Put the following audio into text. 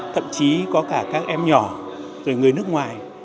thậm chí có cả các em nhỏ rồi người nước ngoài